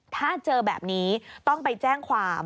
ถ้าเจอแบบนี้ต้องไปแจ้งความ